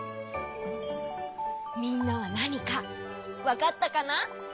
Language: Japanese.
みんなはなにかわかったかな？